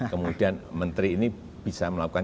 kemudian menteri ini bisa melakukan